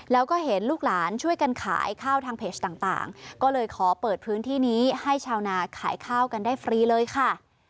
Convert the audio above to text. แล้วก็เห็นลูกหลานช่วยกันขายข้าวทางเพจต่างก็เลยขอเปิดพื้นที่นี้ให้ชาวนาขายข้าวกันได้ฟรีเลยค่ะ